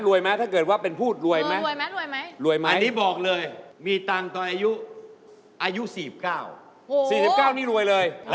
ลวยไหมถ้าเกิดว่าเป็นผู้หรือลวยไหมลวยไหมอันนี้บอกเลย